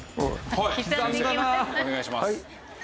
お願いします。